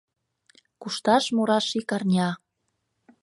Кушташ-мураш ик арня